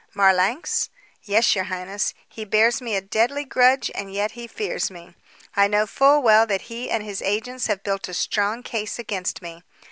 "Marlanx?" "Yes, your highness. He bears me a deadly grudge and yet he fears me. I know full well that he and his agents have built a strong case against me.